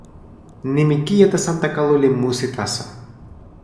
nimi kijetesantakalu li musi taso.